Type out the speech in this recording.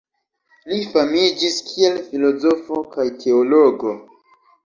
Li famiĝis kiel filozofo kaj teologo.